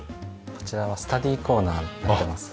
こちらはスタディーコーナーになってます。